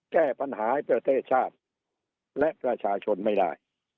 แก้ปัญหาให้ประเทศชาติและประชาชนไม่ได้